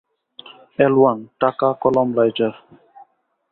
L1, টাকা, কলম, lighter.